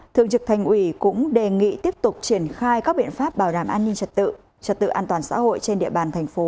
thường trực thành ủy cũng đề nghị tiếp tục triển khai các biện pháp bảo đảm an ninh trật tự trật tự an toàn xã hội trên địa bàn thành phố